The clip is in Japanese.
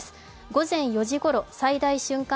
午前４時ごろ最大瞬間